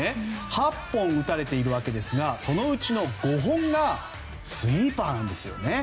８本打たれているわけですがそのうちの５本がスイーパーなんですよね。